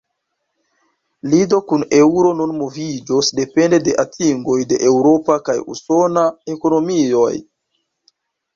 Lido kun eŭro nun moviĝos depende de atingoj de eŭropa kaj usona ekonomioj.